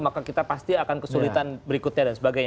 maka kita pasti akan kesulitan berikutnya dan sebagainya